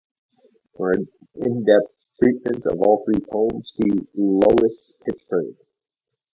For an in-depth treatment of all three poems, see Lois Pitchford.